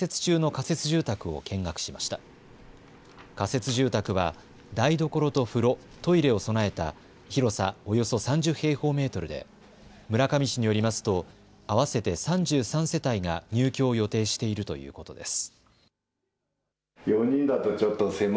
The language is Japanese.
仮設住宅は台所と風呂、トイレを備えた広さおよそ３０平方メートルで村上市によりますと合わせて３３世帯が入居を予定しているということです。